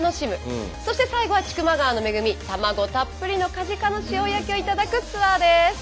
そして最後は千曲川の恵み卵たっぷりのかじかの塩焼きを頂くツアーです。